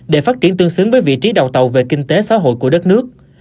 để phát triển tương xứng với vị trí đầu tàu về kinh tế xã hội của đất nước